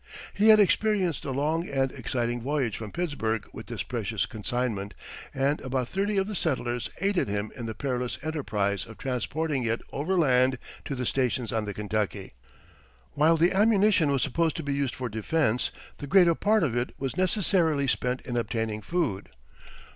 He had experienced a long and exciting voyage from Pittsburg with this precious consignment, and about thirty of the settlers aided him in the perilous enterprise of transporting it overland to the stations on the Kentucky. While the ammunition was supposed to be used for defense, the greater part of it was necessarily spent in obtaining food.